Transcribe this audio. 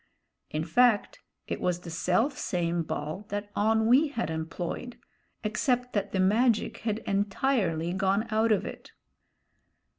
In fact it was the self same hall that Onwee had employed, except that the magic had entirely gone out of it.